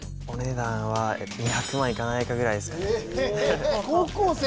お値段は２００万いかないかぐらいですかね。